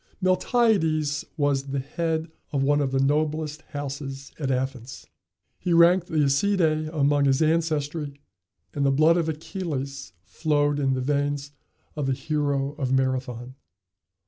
Miltiades was the head of one of the noblest houses at Athens. He ranked the Æacidæ among his ancestry, and the blood of Achilles flowed in the veins of the hero of Marathon.